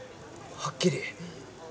はっきり。